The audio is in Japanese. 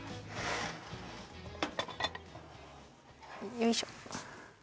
よいしょ